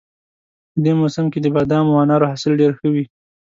په دې موسم کې د بادامو او انارو حاصل ډېر ښه وي